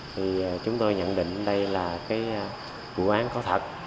thì chúng tôi nhận định đây là cái vụ án có thật